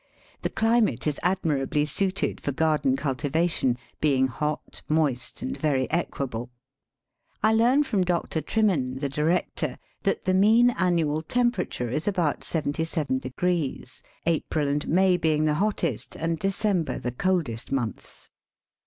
The climate is admirably suited for garden cul tivation, being hot, moist, and very equable. I learn from Dr. Trimen, the director, that the mean annual temperature is about 77°, April and May being the hottest and Decem ber the coldest months.